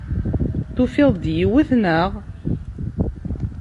Tufiḍ-d yiwet, naɣ?